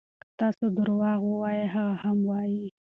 که تاسو درواغ ووایئ هغه هم وایي.